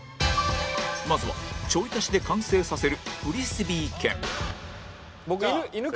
まずはちょい足しで完成させる「フリスビー犬」